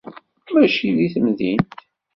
Mačči di temdint